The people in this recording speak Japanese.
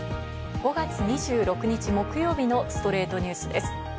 ５月２６日、木曜日の『ストレイトニュース』です。